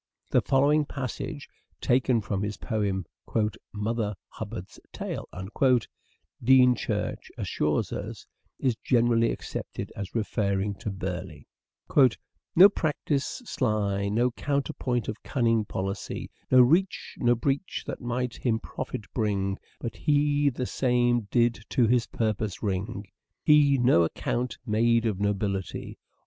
The following passage taken from his poem, " Mother Hubbard's Tale," Dean Church assures us, is generally accepted as referring to Burleigh :—'' No practice sly No counterpoint of cunning policy, No reach, no breach, that might him profit bring But he the same did to his purpose wring. He no account made of nobility.